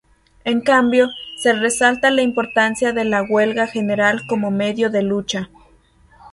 En cambio, se resalta la importancia de la huelga general como medio de lucha.